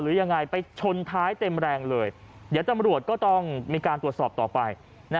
หรือยังไงไปชนท้ายเต็มแรงเลยเดี๋ยวตำรวจก็ต้องมีการตรวจสอบต่อไป